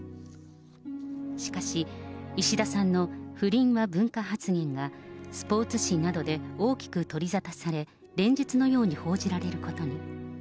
しかし、石田さんの不倫は文化発言はスポーツ紙などで大きく取り沙汰され、連日のように報じられることに。